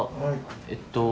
えっと